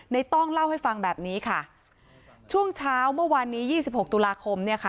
ต้องเล่าให้ฟังแบบนี้ค่ะช่วงเช้าเมื่อวานนี้ยี่สิบหกตุลาคมเนี่ยค่ะ